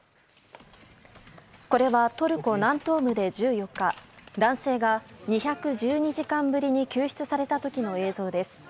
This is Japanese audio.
これはトルコ南東部で、１４日男性が２１２時間ぶりに救出された時の映像です。